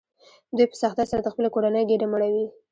دوی په سختۍ سره د خپلې کورنۍ ګېډه مړوي